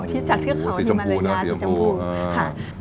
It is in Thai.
ที่จากเครือเขาฮิมาระยาศาสตร์สีจำพูนะสีจำพูค่ะ